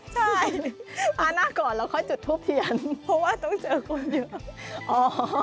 ใช่อันหน้าก่อนเราค่อยจุดทูปเทียนเพราะว่าต้องเจอคนเยอะ